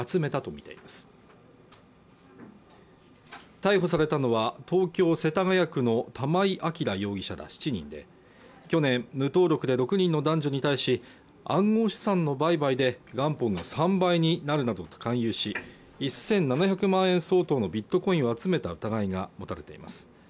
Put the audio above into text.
逮捕されたのは東京世田谷区の玉井暁容疑者ら７人で去年無登録で６人の男女に対し暗号資産の売買で元本が３倍になるなどと勧誘し１７００万円相当のビットコインを集めた疑いが持たれています